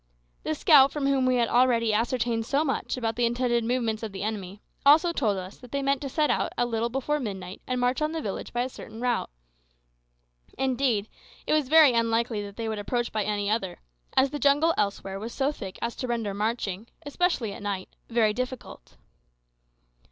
The scout from whom we had already ascertained so much about the intended movements of the enemy also told us that they meant to set out at a little before midnight and march on the village by a certain route. Indeed, it was very unlikely that they would approach by any other, as the jungle elsewhere was so thick as to render marching, especially at night, very difficult.